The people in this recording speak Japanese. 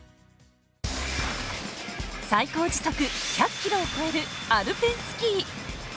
最高時速１００キロを超えるアルペンスキー。